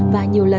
và nhiều lần